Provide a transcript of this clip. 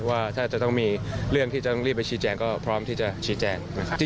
ว่าถ้าจะต้องมีเรื่องที่ต้องรีบไปชี้แจงก็พร้อมที่จะชี้แจงนะครับ